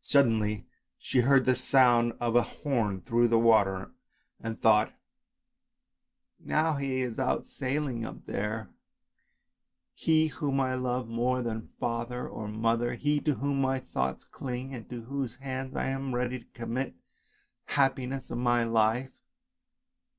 Suddenly she heard the sound of a horn through the water, and she thought, " now 12 ANDERSEN'S FAIRY TALES he is out sailing up there; he whom I love more than father or mother, he to whom my thoughts cling and to whose hands I am ready to commit the happiness of my life.